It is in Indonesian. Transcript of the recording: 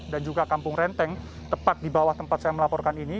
dan juga kampung renteng tepat di bawah tempat saya melaporkan ini